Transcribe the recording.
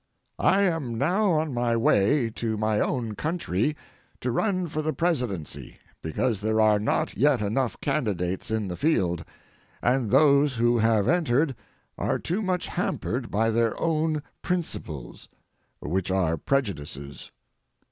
I am now on my way to my own country to run for the presidency because there are not yet enough candidates in the field, and those who have entered are too much hampered by their own principles, which are prejudices.